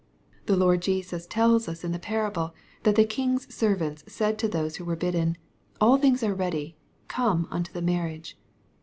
The Lord Jesas tells us in the parable, that the king's servants said to those who were bidden, " all things are ready : come unto the marriage."